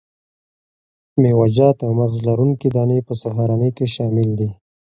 میوه جات او مغذ لرونکي دانې په سهارنۍ کې شامل دي.